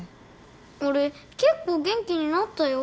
俺結構元気になったよ。